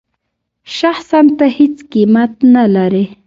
شخصاً ته هېڅ قېمت نه لرې.